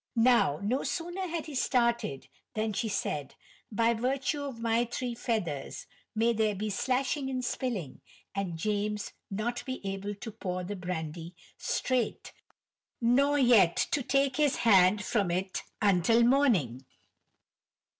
Now no sooner had he started than she said: "By virtue of my three feathers may there be slashing and spilling, and James not be able to pour the brandy straight nor yet to take his hand from it until morning."